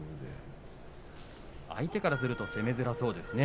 相手からすると攻めづらそうですね。